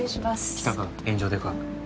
来たか炎上デカ。